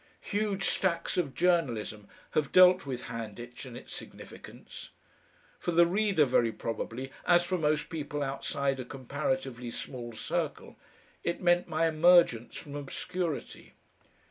Huge stacks of journalism have dealt with Handitch and its significance. For the reader very probably, as for most people outside a comparatively small circle, it meant my emergence from obscurity.